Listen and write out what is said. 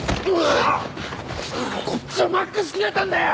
こっちはマックスキレてんだよ！